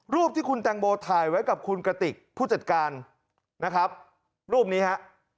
รูปที่คุณแตงโมถ่ายไว้กับคุณกระติกผู้จัดการนะครับรูปนี้ฮะ